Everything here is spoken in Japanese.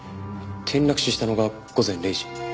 転落死したのが午前０時。